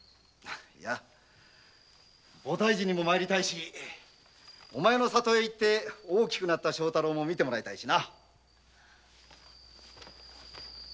いや菩提寺にも参りたいしお前の実家へ行って大きくなった庄太郎も見てもらいたいしな。